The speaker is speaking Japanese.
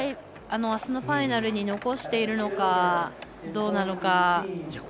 あすのファイナルに残しているのか、どうなのか。